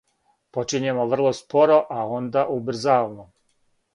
Почињемо врло споро, а онда убрзавамо.